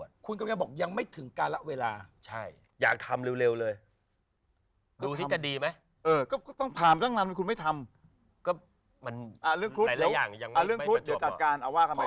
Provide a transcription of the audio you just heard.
เรื่องพุธเดี๋ยวจัดการเอาว่ากันใหม่เดี๋ยวจัดการ